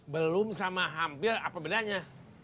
belum sama hampir apa bedanya